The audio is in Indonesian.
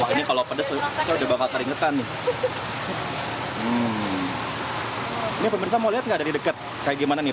ini kalau pedes sudah bakal teringetan nih ini mau lihat nggak dari dekat kayak gimana nih